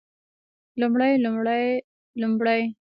لومړی لومړۍ ړومبی